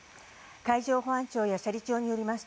海上保安庁や斜里町によります